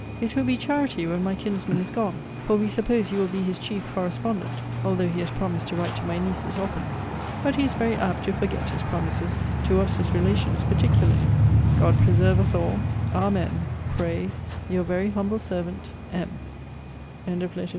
It will be charity when my kinsman is gone; for we suppose you will be his chief correspondent; although he has promised to write to my nieces often. But he is very apt to forget his promises; to us his relations particularly. God preserve us all; Amen! prays Your very humble servant, M. LETTER LII MR.